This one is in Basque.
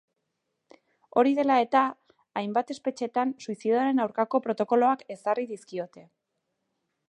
Hori dela eta, hainbat espetxetan suizidioaren aurkako protokoloak ezarri dizkiote.